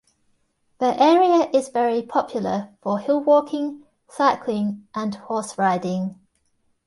The area is very popular for hillwalking, cycling and horseriding.